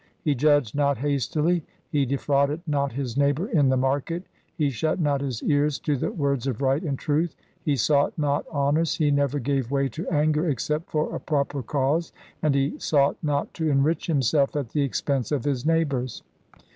He judged not hastily, he defrauded not his neighbour in the market, he shut not his ears to the words of right and truth, he sought not honours, he never gave way to anger except for a proper cause, and he sought not to enrich himself at the expense of his neighbours.